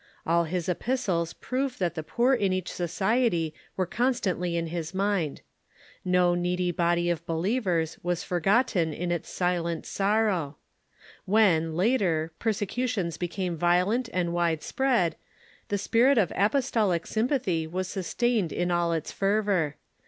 All his ^^Need'^ epistles prove that the poor in each society Avere constantl}^ in his mind. No needy body of believ ers was forgotten in its silent sorrow. When, later, persecu tions became violent and wide spread, the spirit of apostolic sympathy was sustained in all its fervor.